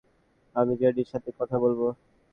আমি জেডির সাথে কথা বলবো।